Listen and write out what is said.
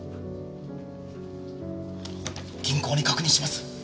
銀行に確認します！